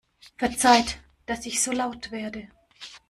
Verzeiht, dass ich so laut werde!